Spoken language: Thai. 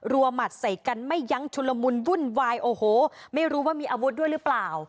หมัดใส่กันไม่ยั้งชุลมุนวุ่นวายโอ้โหไม่รู้ว่ามีอาวุธด้วยหรือเปล่า